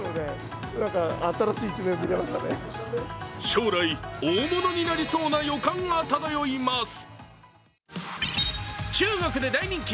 将来、大物になりそうな予感が漂います。